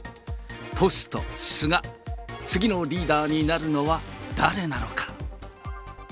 ポスト菅、次のリーダーになるのは誰なのか。